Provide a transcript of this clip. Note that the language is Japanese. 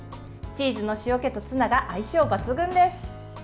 チーズの塩気とツナが相性抜群です。